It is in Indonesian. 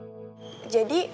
sialan aja dia gachet api